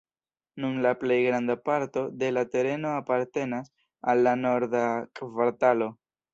Nun la plej granda parto de la tereno apartenas al la Norda Kvartalo.